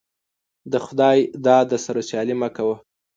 دخداى داده سره سيالي مه کوه.